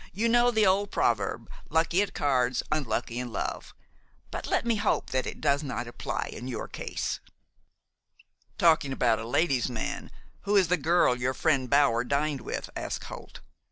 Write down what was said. You know the old proverb, lucky at cards, unlucky in love? But let me hope that it does not apply in your case." "Talking about a ladies' man, who is the girl your friend Bower dined with?" asked Holt.